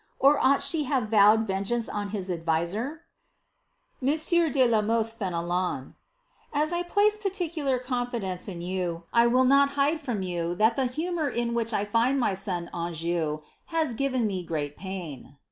or ought she to have vowed vengeance on his adviser ?3Ion8ieur de la Mothe Fenelon, ^As I place particular confidence in you, I will not hide from you that the bimour in which I find my son Anjou has given me great pain.